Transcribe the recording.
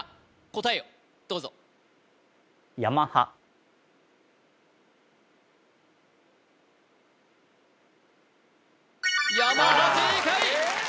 答えをどうぞヤマハ正解！